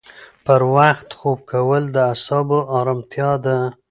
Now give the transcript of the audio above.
پر وخت خوب کول د اعصابو ارامتیا ده.